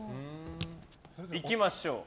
いきましょう。